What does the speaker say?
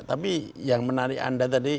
tapi yang menarik anda tadi